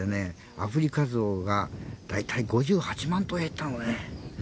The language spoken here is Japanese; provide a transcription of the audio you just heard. アフリカゾウがだいたい５８万頭減ったのね。